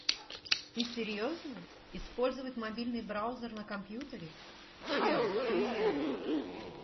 Ты серьезно? Использовать мобильный браузер на компьютере? Чел, ты...